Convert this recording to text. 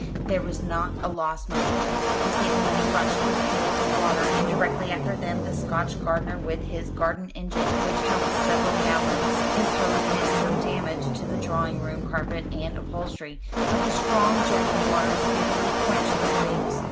There was not a moment lost. The stablemen rushed with pails of water, and directly after them the Scotch gardener with his garden engine, which held several gallons. His hose did some damage to the drawing room carpet and upholstery, but the strong jet of water speedily quenched the flames.